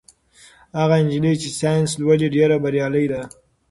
هغه نجلۍ چې ساینس لولي ډېره بریالۍ ده.